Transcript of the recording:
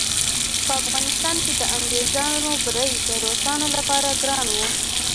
په افغانستان کې د انګریزانو بری د روسانو لپاره ګران وو.